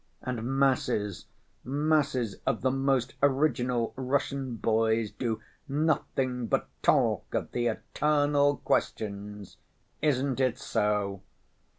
And masses, masses of the most original Russian boys do nothing but talk of the eternal questions! Isn't it so?"